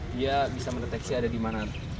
dia bisa mendeteksi ada dimana